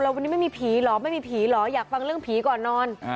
วันนี้ไม่มีผีเหรอไม่มีผีเหรออยากฟังเรื่องผีก่อนนอน